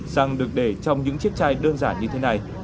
rằng được để trong những chiếc chai đơn giản như thế này